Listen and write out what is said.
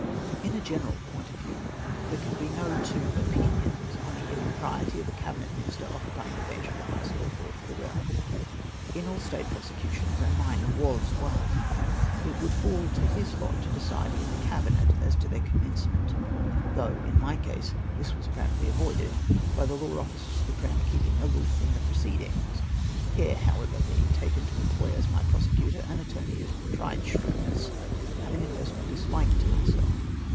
396 MIXE REALLY A STATE TEOSECUTIOX. Ill a general point of view, tliere can be no two opinions on the impropriety of a Cabinet Minister occupying the bench of the highest law court of the reahii. In all State prosecutions — and mine was one — it would faU to his lot to decide in the Cabinet as to their commencement, though in my case this was ap parently avoided, by the law officers of the Crow^n keeping aloof from tlie proceedings ; care, however, being taken to employ as my prosecutor an attorney of tried shrewdness, having a personal dislike to myself.